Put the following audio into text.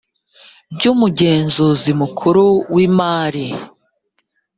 by umugenzuzi mukuru w imari